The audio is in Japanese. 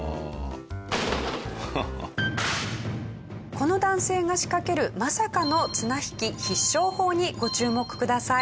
この男性が仕掛けるまさかの綱引き必勝法にご注目ください。